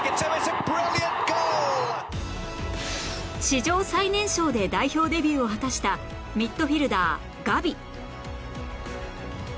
史上最年少で代表デビューを果たしたミッドフィールダーガビ